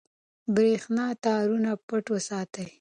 برېښنا تارونه پټ وساتئ.